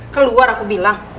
keluar aku bilang